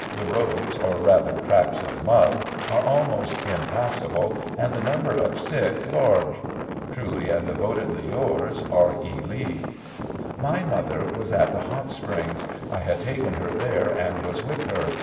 The roads, or rather tracks of mud, are almost impassable and the number of sick large. ..." Truly and devotedly yours, "R. E. Lee." My mother was at the Hot Springs — I had taken her there and was with her.